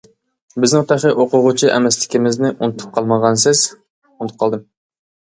بىزنىڭ تېخى ئوقۇغۇچى ئەمەسلىكىمىزنى ئۇنتۇپ قالمىغانسىز؟ -ئۇنتۇپ قالدىم.